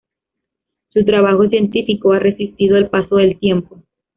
Su trabajo científico ha resistido el paso del tiempo.